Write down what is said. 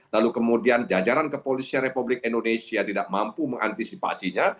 lalu kemudian jajaran kepolisian republik indonesia tidak mampu mengantisipasinya